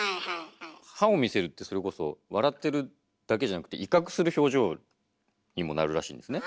歯を見せるってそれこそ笑ってるだけじゃなくて威嚇する表情にもなるらしいんですね。